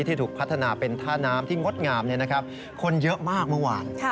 ที่ถูกพัฒนาเป็นท่าน้ำที่งดงามคนเยอะมากเมื่อวาน